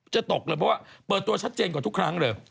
จะตกเลยเพราะว่าเปิดตัวชัดเจนกว่าทุกครั้งเลย